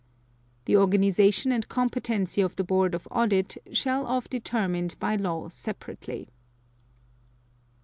(2) The organization and competency of the Board of Audit shall of determined by law separately.